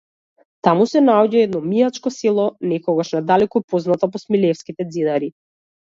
Таму се наоѓа и едно мијачко село, некогаш надалеку познато по смилевските ѕидари.